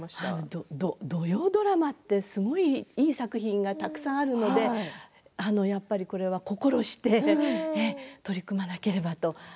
土曜ドラマってすごいいい作品が、たくさんあるのでやっぱりここは心して取り組まなければと。